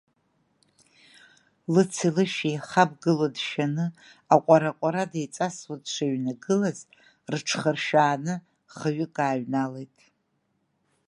Лыци лышәи еихамгыло дшәаны, аҟәара-аҟәара деиҵасуа дшыҩнагылаз, рыҽхыршәааны хҩык ааҩналеит.